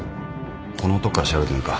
この男から調べてみるか。